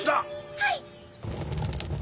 ・・はい！